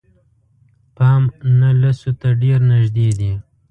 پام نهه لسو ته ډېر نژدې دي.